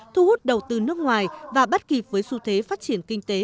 thu hút đầu tư nước ngoài và bắt kịp với xu thế phát triển kinh tế